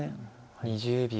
２０秒。